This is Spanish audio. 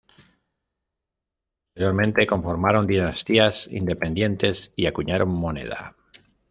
Posteriormente conformaron dinastías independientes y acuñaron moneda.